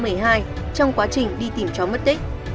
trong quá trình đi tìm chó mất tích